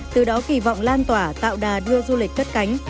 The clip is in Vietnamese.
từ đó kỳ vọng lan tỏa tạo đà đưa du lịch cất cánh